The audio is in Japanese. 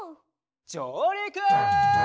じょうりく！